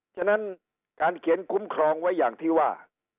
ฉะนั้นการเขียนคุ้มครองไว้อย่างที่ว่า